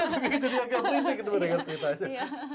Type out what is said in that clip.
saya juga jadi agak berhenti ketemu dengan ceritanya